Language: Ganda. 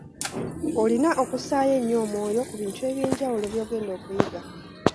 Olina okussaayo ennyo omwoyo ku bintu eby’enjawulo by’ogenda okuyiga.